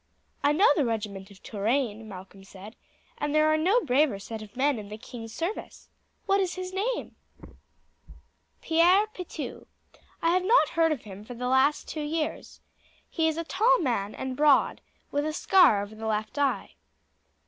"I know the regiment of Touraine," Malcolm said; "and there are no braver set of men in the king's service. What is his name?" "Pierre Pitou. I have not heard of him for the last two years. He is a tall man, and broad, with a scar over the left eye."